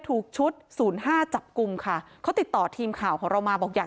ถูกชุดศูนย์ห้าจับกลุ่มค่ะเขาติดต่อทีมข่าวของเรามาบอกอยาก